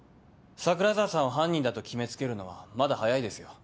桜沢さんを犯人だと決め付けるのはまだ早いですよ。